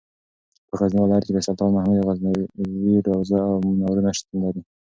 په غزني ولایت کې د سلطان محمود غزنوي روضه او منارونه شتون لري.